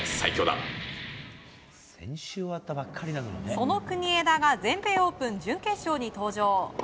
その国枝が全米オープン準決勝に登場。